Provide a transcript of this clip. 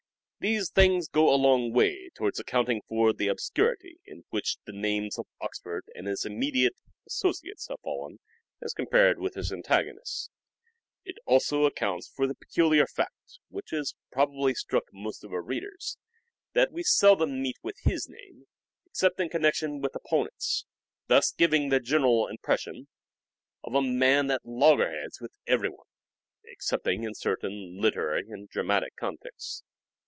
These things go a long way towards accounting for the obscurity into which the names of Oxford and his immediate associates have fallen as compared with his antagonists. It also accounts for the peculiar fact, which has probably struck most of our readers, 356 " SHAKESPEARE " IDENTIFIED that we seldom meet with his name except in connec tion with opponents, thus giving the general impression of a man at loggerheads with every one — excepting in certain literary and dramatic contacts.